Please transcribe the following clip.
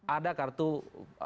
ada kartu peratenaga kerjaan